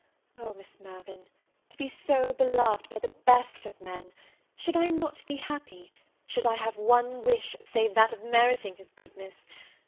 O, Miss Mirvan, to be so beloved by the best of men, should I not be happy? Should I have one wish save that of meriting his goodness?